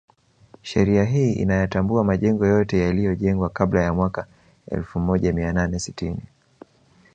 Sheria hii inayatambua majengo yote yaliyojengwa kabla ya mwaka elfu moja Mia nane sitini